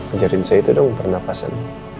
ajarin saya itu dong pernapasan